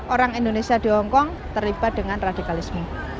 empat puluh tiga orang indonesia di hongkong terlibat dengan radikalisme